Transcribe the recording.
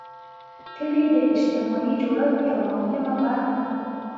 کلي د اجتماعي جوړښت یوه مهمه برخه ده.